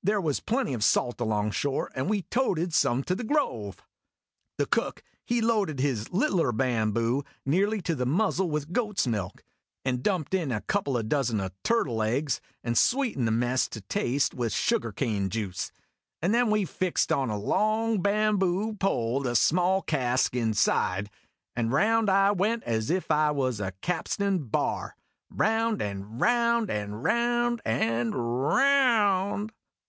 There was plenty of salt along shore, and we toted some to the grove. The Cook he loaded the littler bamboo nearly to the muzzle with goat's milk, and dumped in a couple o' dozen o' turtle eggs, and sweetened the mess to taste with sugar cane juice and then we fixed on a long bamboo pole to the small cask inside, and round I went as if it was a capstan bar. Round and round, round and round!